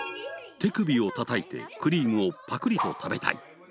手首を叩いてクリームをパクリと食べたい。